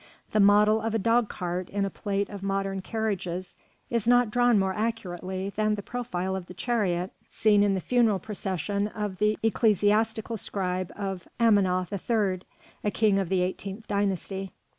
The model of a dog cart in a plate of modern carriages is not drawn more accurately than the profile of the chariot seen in the funeral procession of the ecclesiastical scribe of Amenoph III, a king of the eighteenth dynasty.